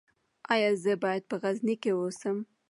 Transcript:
ایا زه باید په غزني کې اوسم؟